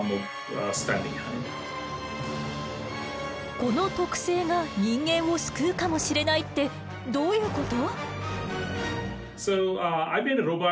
この特性が人間を救うかもしれないってどういうこと？